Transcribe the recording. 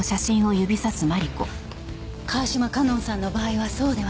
川島香音さんの場合はそうではなかった。